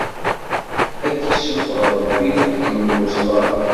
Ad k-issufeɣ Ṛebbi leḥkem n usɣaṛ!